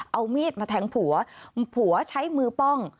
เอามีดมาแทงผัวผัวใช้มือป้อง